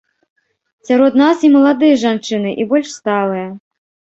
Сярод нас і маладыя жанчыны, і больш сталыя.